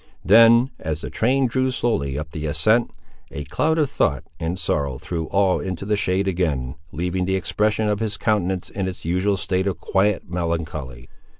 Then, as the train drew slowly up the ascent, a cloud of thought and sorrow threw all into the shade again, leaving the expression of his countenance in its usual state of quiet melancholy.